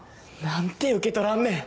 何で受け取らんねん。